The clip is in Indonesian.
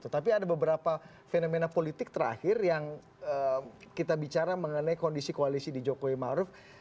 tapi ada beberapa fenomena politik terakhir yang kita bicara mengenai kondisi koalisi di jokowi maruf